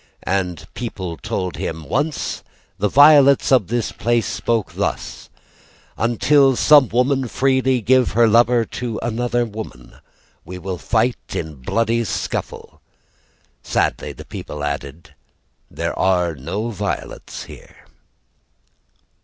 The people told him: "Once the violets of this place spoke thus: "'Until some woman freely give her lover "'To another woman "'We will fight in bloody scuffle.'" Sadly the people added: "There are no violets here."